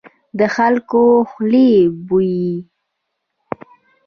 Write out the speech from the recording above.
د خلکو خولې بويي.